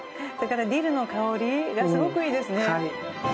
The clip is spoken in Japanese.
ディルの香りがすごくいいですね。